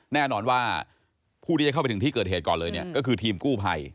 แน่นอนว่าผู้จะเข้าไปถึงที่เกิดเหตุก่อนเลยก็คือทีมกู้ไภ